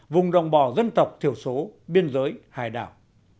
vùng đồng bào dân tộc thiểu số biên giới hải đảo